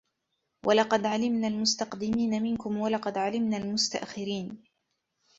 وَلَقَدْ عَلِمْنَا الْمُسْتَقْدِمِينَ مِنْكُمْ وَلَقَدْ عَلِمْنَا الْمُسْتَأْخِرِينَ